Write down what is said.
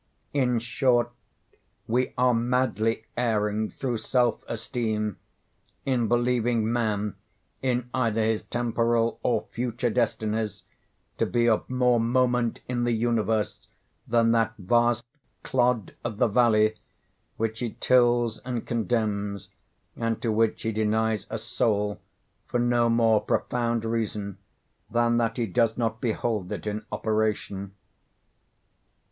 In short, we are madly erring, through self esteem, in believing man, in either his temporal or future destinies, to be of more moment in the universe than that vast "clod of the valley" which he tills and contemns, and to which he denies a soul for no more profound reason than that he does not behold it in operation.